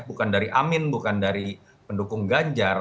bukan dari amin bukan dari pendukung ganjar